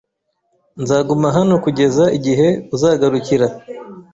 Nzaguma hano kugeza igihe uzagarukira.